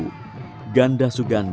lewat wayang landung dan komunitas anak ibu